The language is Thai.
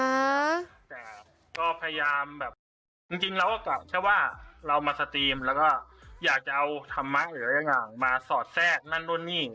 แต่ก็พยายามแบบจริงเราก็กะเชื่อว่าเรามาสตรีมแล้วก็อยากจะเอาทำไมหรือยังไงมาสอดแทรกนั่นนู่นนี่